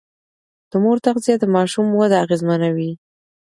د مور تغذيه د ماشوم وده اغېزمنوي.